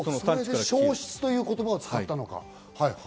消失という言葉を使ったのか。